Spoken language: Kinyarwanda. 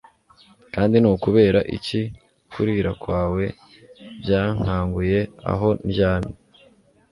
Kandi ni ukubera iki kurira kwawe byankanguye aho ndyamye